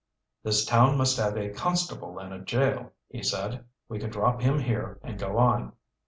"This town must have a constable and a jail," he said. "We could drop him here and go on."